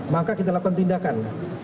maka kita lakukan tindakan